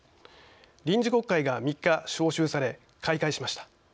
臨時国会が３日、召集され開会しました。